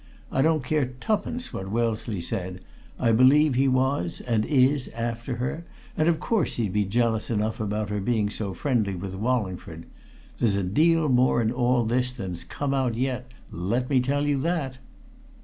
I don't care twopence what Wellesley said; I believe he was, and is, after her, and of course he'd be jealous enough about her being so friendly with Wallingford. There's a deal more in all this than's come out yet let me tell you that!"